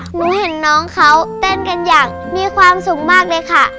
หนูเห็นน้องเขาเต้นกันอย่างมีความสุขมากเลยค่ะ